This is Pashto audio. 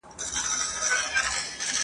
بې نوره ورځي بې شمعي شپې دي ..